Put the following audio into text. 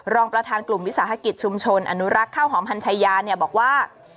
รองประธานกลุ่มวิสาหกิจชุมชนอนุรักษ์ข้าวหอมพันชายาเนี่ยบอกว่า